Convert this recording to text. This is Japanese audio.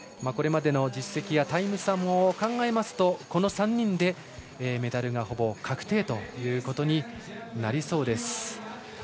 これまでの実績やタイム差も考えますとこの３人でメダルがほぼ確定ということになりそうです。